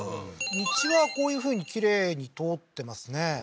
道はこういうふうにきれいに通ってますね